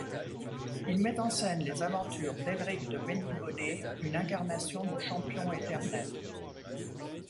Il met en scène les aventures d'Elric de Melniboné, une incarnation du Champion éternel.